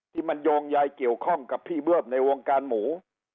ที่มันโยงยายเกี่ยวข้องกับพี่เบื้องในวงการหมู